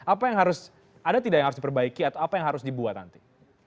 apa yang harus ada tidak yang harus diperbaiki atau apa yang harus dibuat nanti